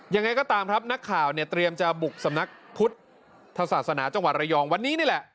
ยังไงก็ตามครับนักข่าวเนี่ยเตรียมจะบุกสำนักพุทธศาสนาจังหวัดระยองวันนี้นี่แหละ